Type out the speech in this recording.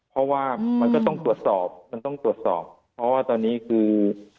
เพราะว่ามันก็ต้องตรวจสอบมันต้องตรวจสอบเพราะว่าตอนนี้คือ